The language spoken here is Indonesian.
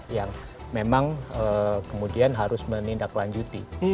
yang memang kemudian harus menindaklanjuti